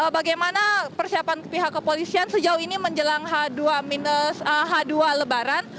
bagaimana persiapan pihak kepolisian sejauh ini menjelang h dua lebaran